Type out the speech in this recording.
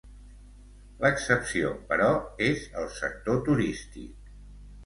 L'excepció, però, és el sector turístic.